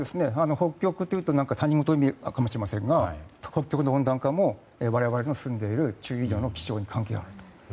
北極というと他人ごとに見えるかもしれませんが北極の温暖化も我々の住んでいる地域にも関係があると。